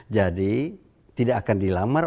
jadi tidak akan dilamar